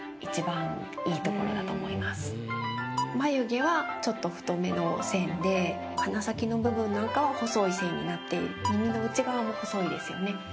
眉毛はちょっと太めの線で鼻先の部分なんかは細い線になって耳の内側も細いですよね。